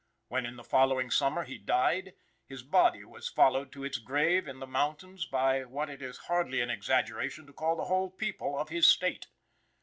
When in the following summer he died, his body was followed to its grave in the mountains by what it is hardly an exaggeration to call the whole people of his State.